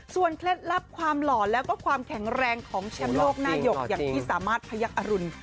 เคล็ดลับความหล่อแล้วก็ความแข็งแรงของแชมป์โลกหน้าหยกอย่างที่สามารถพยักอรุณ